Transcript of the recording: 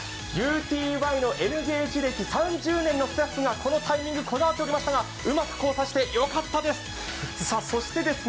ＵＴＹのＮゲージ歴３０年のスタッフがこのタイミングにこだわっておりましたが、うまく交差してよかったでございます。